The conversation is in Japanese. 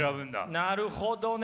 なるほどね。